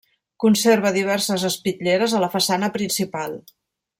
Conserva diverses espitlleres a la façana principal.